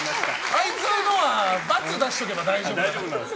あいつのは×出しておけば大丈夫。